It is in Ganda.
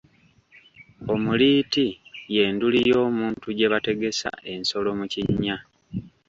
Omuliiti ye nduli y'omuti gye bategesa ensolo mu kinnya